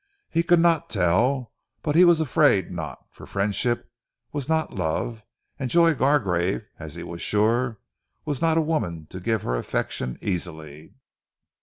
He could not tell, but he was afraid not; for friendship was not love, and Joy Gargrave, as he was sure, was not a woman to give her affection easily.